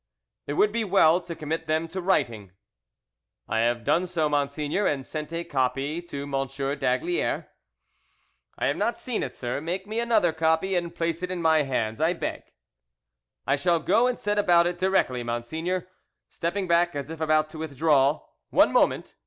"It would be well to commit them to writing." "I have done so, monseigneur, and sent a copy to M. d'Aygaliers." "I have not seen it, sir; make me another copy and place it in my hands, I beg." "I shall go and set about it directly, monseigneur," stepping back as if about to withdraw. "One moment!"